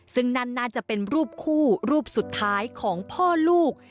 ซึ่งนั่นน่าจะเป็นรูปคู่รูปสุดท้ายของพ่อลูก